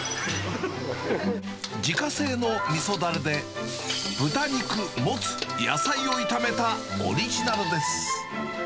自家製のみそだれで、豚肉、モツ、野菜を炒めたオリジナルです。